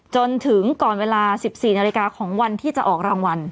จนถึงก่อนเวลา๑๔นาฬิกาของวันที่จะออกรางวัล